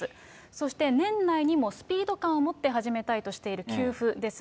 そして年内にもスピード感をもって始めたいとしている給付です。